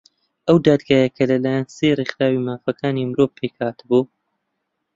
ئەو دادگایە کە لەلایەن سێ ڕێکخراوەی مافەکانی مرۆڤ پێک هاتبوو